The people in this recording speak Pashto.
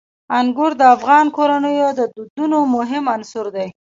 انګور د افغان کورنیو د دودونو مهم عنصر دی.